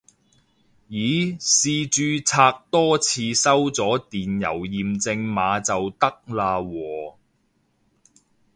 咦試註冊多次收咗電郵驗證碼就得喇喎